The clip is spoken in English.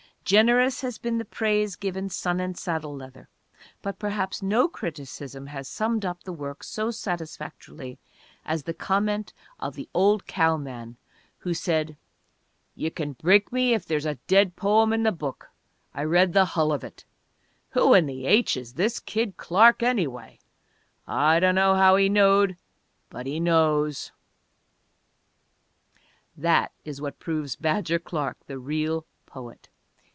Generous has been the praise given Sun and Saddle Leather, but perhaps no criticism has summed up the work so satisfactorily as the comment of the old cow man who said, "You can break me if there's a dead poem in the book, I read the hull of it. Who in H is this kid Clark, anyway? I don't know how he knowed, but he knows." That is what proves Badger Clark the real poet.